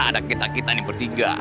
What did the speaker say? ada kita kita ini bertiga